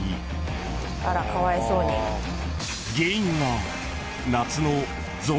［原因は］